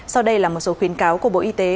sau đây là một số khuyến cáo của bộ y tế